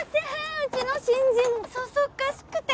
うちの新人そそっかしくて。